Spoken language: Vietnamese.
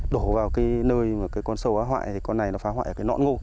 đổ vào cái nơi mà cái con sâu phá hoại thì con này nó phá hoại ở cái nọn ngô